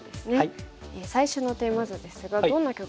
最初のテーマ図ですがどんな局面でしょうか。